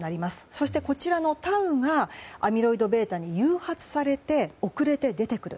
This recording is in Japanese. そして、こちらのタウがアミロイドβに誘発されて遅れて出てくる。